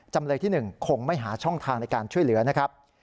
จำเลยที่๑คงไม่หาช่องทางในการช่วยเหลือนะครับ